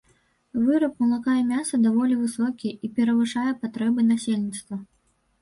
Выраб малака і мяса даволі высокі і перавышае патрэбы насельніцтва.